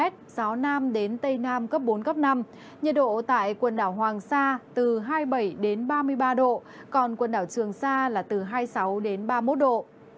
gió nam đến tây nam cấp bốn cấp năm nhiệt độ tại quần đảo hoàng sa từ hai mươi bảy đến ba mươi ba độ còn quần đảo trường sa là từ hai mươi sáu đến ba mươi một độ